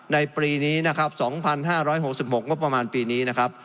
ในปีนี้นะครับสองพันห้าร้อยหกสิบหกงบประมาณปีนี้นะครับ